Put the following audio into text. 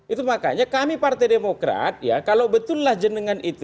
itu makanya kami partai demokrat ya kalau betullah jenengan itu